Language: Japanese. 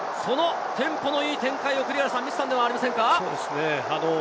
テンポのいい展開を見せたのではありませんか。